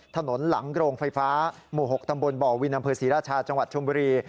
ถนนหลังโรงไฟฟ้าหมู่๖ตำบลบ่อวินอำเภอศรีราชาจังหวัดชมบุรี